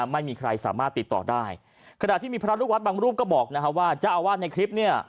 ไม่มีใครสามารถติดต่อได้ขณะที่มีพระลูกวัดบางรูปก็บอกนะฮะว่าเจ้าอาวาสในคลิปเนี่ย